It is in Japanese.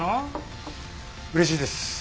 うれしいです。